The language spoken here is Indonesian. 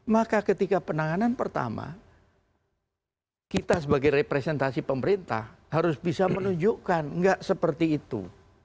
maka ketika penanganan pertama kita sebagai representasi pemerintah harus bisa menunjukkan nggak seperti itu